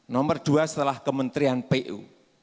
nomor dua setelah kementerian pu